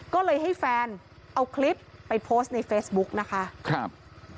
ก็เลยให้แฟนเอาคลิปไปโพสต์ในเฟซบุ๊กนะคะครับ